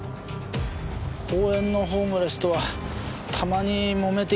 公園のホームレスとはたまにもめていたような。